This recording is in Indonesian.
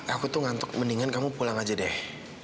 aku tuh ngantuk mendingan kamu pulang aja deh